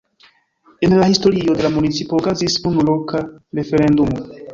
En la historio de la municipo okazis unu loka referendumo.